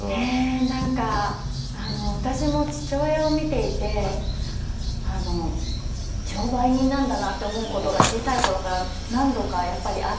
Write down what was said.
なんか私も父親を見ていて商売人なんだなって思うことが小さい頃から何度かやっぱりあって。